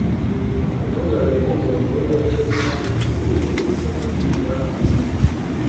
Ubutungane bw’umuntu w’indakemwa bumuringaniriza inzira